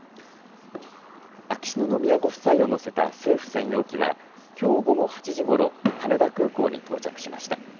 秋篠宮ご夫妻を乗せた政府専用機はきょう午後８時ごろ羽田空港に到着しました。